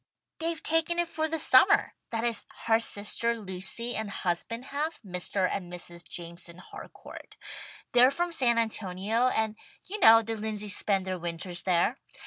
"They've taken it for the summer, that is, her sister Lucy and husband have, Mr. and Mrs. Jameson Harcourt. They're from San Antonio, and you know the Lindseys spend their winters there.